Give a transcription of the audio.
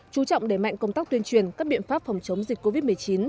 chú trọng đẩy mạnh công tác tuyên truyền các biện pháp phòng chống dịch covid một mươi chín